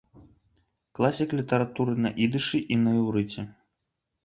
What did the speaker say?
Класік літаратуры на ідышы і на іўрыце.